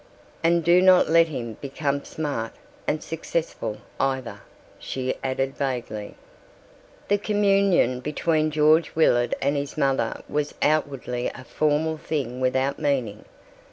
"And do not let him become smart and successful either," she added vaguely. The communion between George Willard and his mother was outwardly a formal thing without meaning.